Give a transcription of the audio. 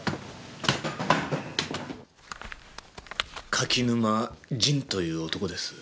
柿沼仁という男です。